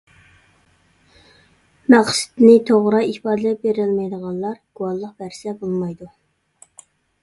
مەقسىتىنى توغرا ئىپادىلەپ بېرەلمەيدىغانلار گۇۋاھلىق بەرسە بولمايدۇ.